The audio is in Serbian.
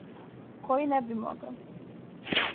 Који не би могао?